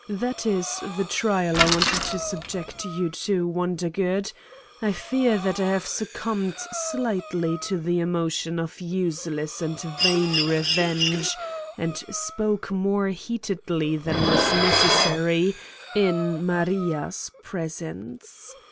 That is the trial I wanted to subject you to, Wondergood. I fear that I have succumbed slightly to the emotion of useless and vain revenge and spoke more heatedly than was necessary in Maria's presence.